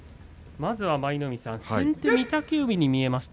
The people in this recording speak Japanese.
舞の海さん、先手御嶽海に見えました。